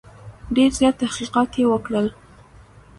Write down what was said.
ډېر زیات تحقیقات یې وکړل.